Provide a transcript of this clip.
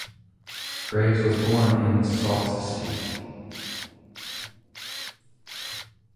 Graves was born in Sault Ste.